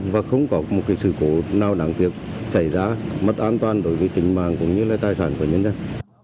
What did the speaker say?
và không có một sự cố nào đáng tiếc xảy ra mất an toàn đối với tính mạng cũng như là tài sản của nhân dân